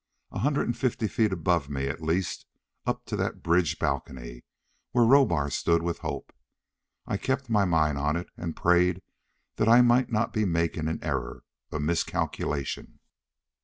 A hundred and fifty feet above me, at least, up to that bridge balcony, where Rohbar stood with Hope. I kept my mind on it and prayed that I might not be making an error, a miscalculation.